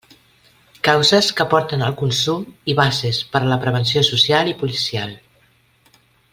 Causes que porten al consum i bases per a la prevenció social i policial.